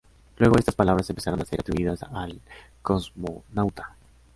Luego estas palabras empezaron a ser atribuidas al cosmonauta.